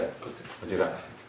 こちら？